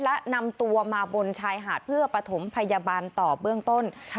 และนำตัวมาบนชายหาดเพื่อปฐมพยาบาลต่อเบื้องต้น